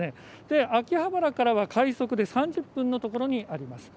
秋葉原から快速で３０分のところにあります。